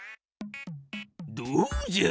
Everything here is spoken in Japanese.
どうじゃ？